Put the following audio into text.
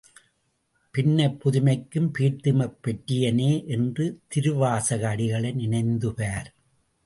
பின்னைப் புதுமைக்கும் பேர்த்தும் அப்பெற்றியனே என்ற திருவாசக அடிகளை நினைந்துபார்!